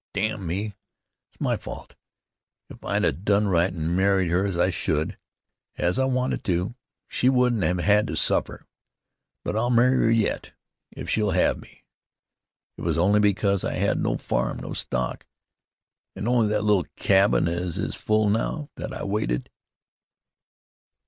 Damn me! it's my fault. If I'd 'a done right an' married her as I should, as I wanted to, she wouldn't have had to suffer. But I'll marry her yet, if she'll have me. It was only because I had no farm, no stock, an' only that little cabin as is full now, that I waited."